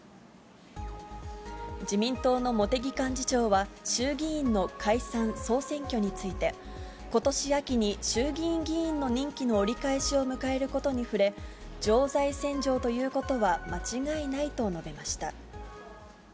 自民党の茂木幹事長は、衆議院の解散・総選挙について、ことし秋に衆議院議員の任期折り返しを迎えることに触れ、常在戦場ということは間違いないと述べました。